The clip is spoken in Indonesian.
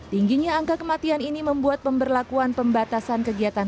tingginya angka kematian ini membuat pemberlakuan pembatasan kegiatan